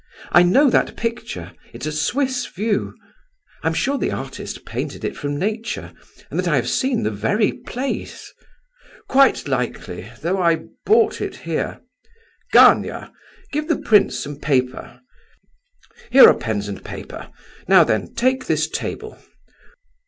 I know that picture, it's a Swiss view. I'm sure the artist painted it from nature, and that I have seen the very place—" "Quite likely, though I bought it here. Gania, give the prince some paper. Here are pens and paper; now then, take this table.